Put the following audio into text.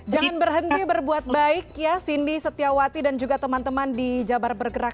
jangan berhenti berbuat baik ya cindy setiawati dan juga teman teman di jabar bergerak